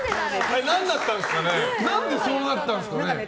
何でそうなったんですかね。